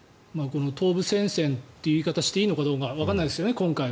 東部戦線という言い方をしていいのかどうか今回はわからないですよね。